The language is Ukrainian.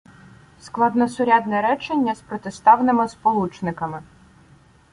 Складносурядне речення з протиставними сполучниками